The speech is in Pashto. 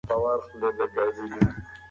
هغه مرستې ته ارزښت ورکوي.